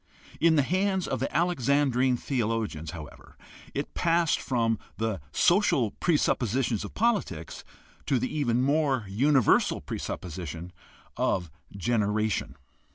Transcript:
In the hands of the Alexandrine theologians, however, it passed from the social presuppositions of politics to the even more universal presupposition of generation.